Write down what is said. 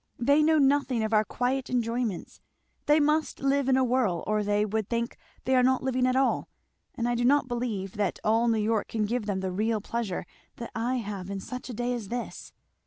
They know nothing of our quiet enjoyments, they must live in a whirl or they would think they are not living at all, and I do not believe that all New York can give them the real pleasure that I have in such a day as this.